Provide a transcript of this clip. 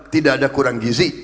tidak ada kurang gizi